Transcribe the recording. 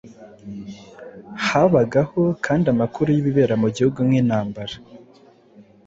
Habagaho kandi amakuru y’ibibera mu gihugu nk’intambara,